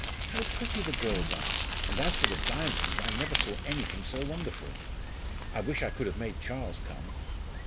"How pretty the girls are! And as for the diamonds, I never saw anything so wonderful. I wish I could have made Charles come!"